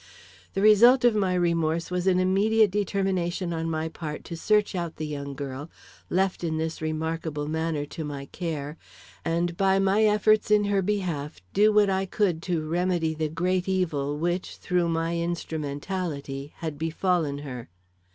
The result of my remorse was an immediate determination on my part to search out the young girl, left in this remarkable manner to my care, and by my efforts in her behalf do what I could to remedy the great evil which, through my instrumentality, had befallen her.